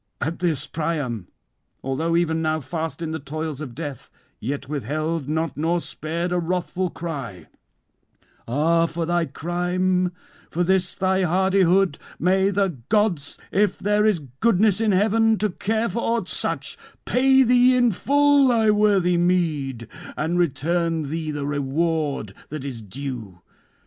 At this Priam, although even now fast in the toils of death, yet withheld not nor spared a wrathful cry: "Ah, for thy crime, for this thy hardihood, may the gods, if there is goodness in heaven to care for aught such, pay thee in full thy worthy meed, and return thee the reward that is due!